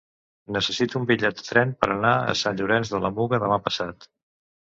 Necessito un bitllet de tren per anar a Sant Llorenç de la Muga demà passat.